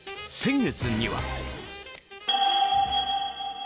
先月には。